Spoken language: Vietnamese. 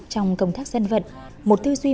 trong công tác dân vận một tư duy